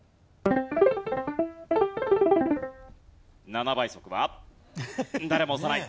７倍速は誰も押さない。